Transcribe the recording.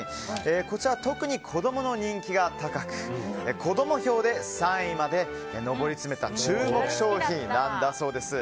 こちらは特に子供の人気が高く子供票で３位まで上り詰めた注目商品なんだそうです。